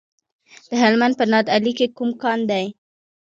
د هلمند په نادعلي کې کوم کان دی؟